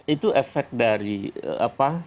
itu efek dari apa